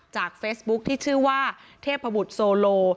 เฟซบุ๊คที่ชื่อว่าเทพบุตรโซโล